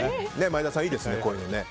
前田さん、いいですね